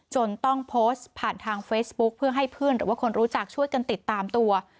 จนต้องโพสต์ผ่านทางเฟซบุ๊คเพื่อให้เพื่อนหรือว่าคนรู้จักช่วยกันติดตามตัว